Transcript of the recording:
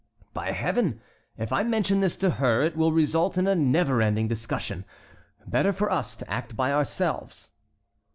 "By Heaven! If I mention this to her it will result in a never ending discussion. Better for us to act by ourselves.